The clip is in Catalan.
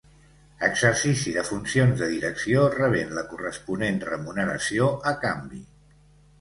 Exercici de funcions de direcció rebent la corresponent remuneració a canvi.